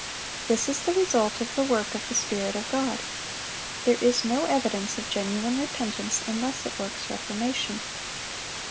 (777) This is the result of the work of the Spirit of God. There is no evidence of genuine repentance unless it works reformation.